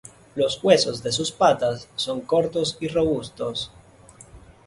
Los huesos de sus patas son cortos y robustos.